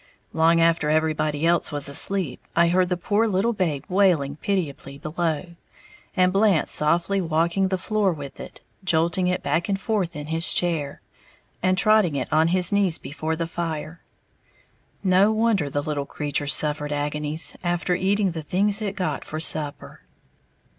Long after everybody else was asleep, I heard the poor little babe wailing pitiably below, and Blant softly walking the floor with it, jolting it back and forth in his chair, and trotting it on his knees before the fire. No wonder the little creature suffered agonies after eating the things it got for supper.